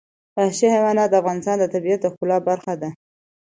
وحشي حیوانات د افغانستان د طبیعت د ښکلا برخه ده.